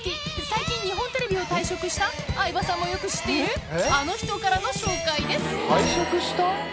最近日本テレビを退職した相葉さんもよく知っているあの人からの紹介です退職した？